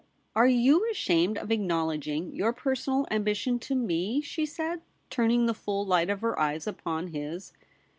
' Are you ashamed of acknowledging your personal ambition to me ?' she said, turning the full light of her eyes upon his.